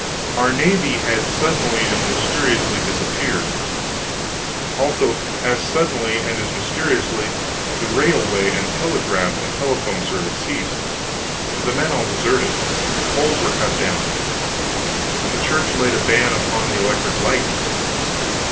"Our navy had suddenly and mysteriously disappeared! Also, as suddenly and as mysteriously, the railway and telegraph and telephone service ceased, the men all deserted, poles were cut down, the Church laid a ban upon the electric light!